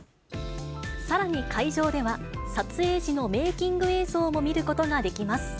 さらに会場では、撮影時のメーキング映像も見ることができま